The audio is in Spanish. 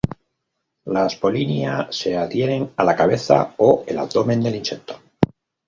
Las polinia se adhieren a la cabeza o al abdomen del insecto.